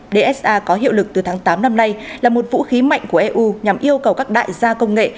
dsa có hiệu lực từ tháng tám năm nay là một vũ khí mạnh của eu nhằm yêu cầu các đại gia công nghệ